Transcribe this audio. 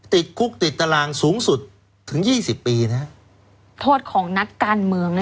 ติดคุกติดตารางสูงสุดถึงยี่สิบปีนะฮะโทษของนักการเมืองนะ